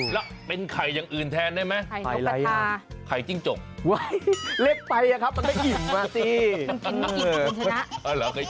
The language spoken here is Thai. แล้วเป็นไข่อย่างอื่นแทนได้ไหมไข่จิ้งจก